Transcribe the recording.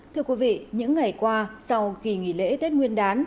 thưa quý vị những ngày qua sau kỳ nghỉ lễ tết nguyên đán